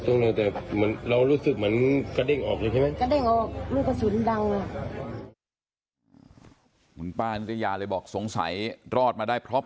ตาหลวงตาหลวงอะไรครับ